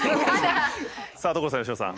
さあ所さん佳乃さん。